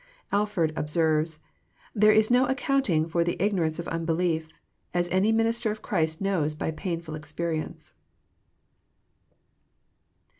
Alford observes :There is no accounting for the isnorance of unbelief; as any minister of Christ knows by palnuil expe rience."